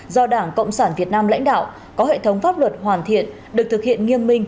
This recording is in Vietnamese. do đảng cộng sản việt nam lãnh đạo có hệ thống pháp luật hoàn thiện được thực hiện nghiêm minh